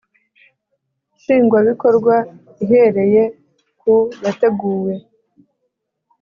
Nshingwabikorwa ihereye ku yateguwe